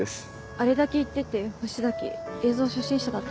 あれだけ言ってて星崎映像初心者だったの？